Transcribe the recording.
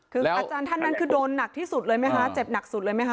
คืออาจารย์ท่านนั้นคือโดนหนักที่สุดเลยไหมคะเจ็บหนักสุดเลยไหมค